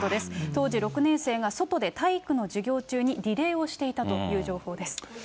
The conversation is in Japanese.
当時、６年生が外で体育の授業中にリレーをしていたという情報です。